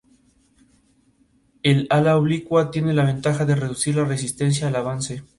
El ala oblicua tiene la ventaja de reducir la resistencia al avance.